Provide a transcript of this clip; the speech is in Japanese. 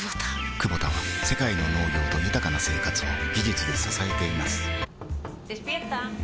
クボタは世界の農業と豊かな生活を技術で支えています起きて。